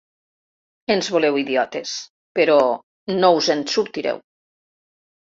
Ens voleu idiotes, però no us en sortireu.